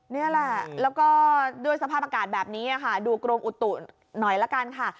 นี่แหละแล้วก็ด้วยสภาพอากาศแบบนี้ค่ะดูกรมอุตุหน่อยละกันค่ะ